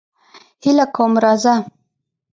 هیله کوم راځه.